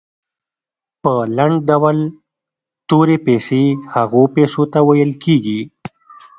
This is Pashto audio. په لنډ ډول تورې پیسې هغو پیسو ته ویل کیږي.